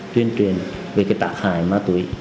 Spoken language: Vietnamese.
tuyên truyền về trạng hài ma túy